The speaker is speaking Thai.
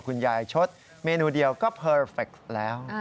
คุณยายชดเมนูเดียวก็เพอร์เฟคแล้ว